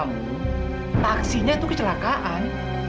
kamu taksinya tuh kecelakaan